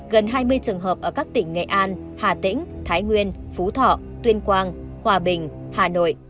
gần hai mươi trường hợp ở các tỉnh nghệ an hà tĩnh thái nguyên phú thọ tuyên quang hòa bình hà nội